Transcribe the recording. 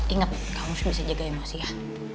ingat kamu bisa jaga emosi ya